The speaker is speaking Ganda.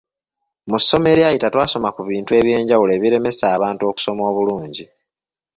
Mu ssomo eryita twasoma ku bintu eby’enjawulo ebiremesa abantu okusoma obulungi.